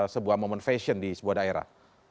sebuah momen fashion di sebuah daerah